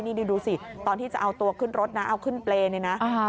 นี่ดูสิตอนที่จะเอาตัวขึ้นรถนะเอาขึ้นเปรย์เนี่ยนะ